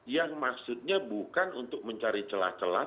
yang maksudnya bukan untuk mencari celah celah